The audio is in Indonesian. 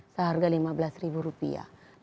seharga lima belas ribu rupiah